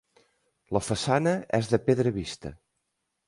La façana és de pedra vista.